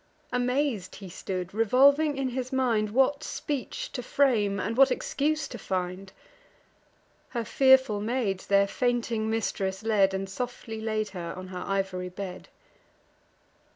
Amaz'd he stood, revolving in his mind What speech to frame, and what excuse to find. Her fearful maids their fainting mistress led, And softly laid her on her ivory bed.